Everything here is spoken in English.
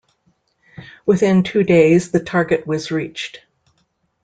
Within two days the target was reached.